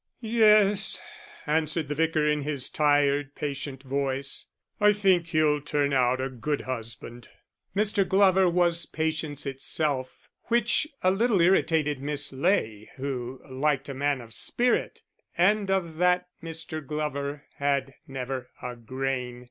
"Yes," answered the Vicar, in his tired, patient voice, "I think he'll turn out a good husband." Mr. Glover was patience itself, which a little irritated Miss Ley, who liked a man of spirit; and of that Mr. Glover had never a grain.